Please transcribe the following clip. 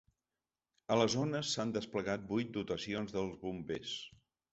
A la zona s’han desplegat vuit dotacions dels bombers.